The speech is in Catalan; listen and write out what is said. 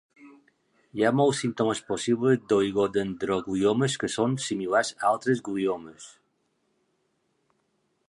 Hi ha molts símptomes possibles d'oligodendrogliomes que són similars a altres gliomes.